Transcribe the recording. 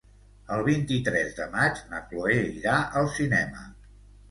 El vint-i-tres de maig na Chloé irà al cinema.